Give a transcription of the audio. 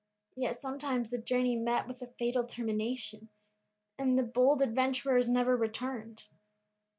Yet sometimes the journey met with a fatal termination, and the bold adventurers never returned.